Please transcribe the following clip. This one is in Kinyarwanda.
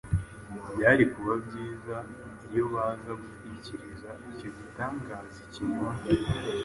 Byari kuba byiza iyo baza gutwikiriza icyo gitangaza ikinyoma;